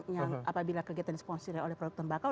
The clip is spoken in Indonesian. yang apabila kegiatan di sponsor oleh produk tembakau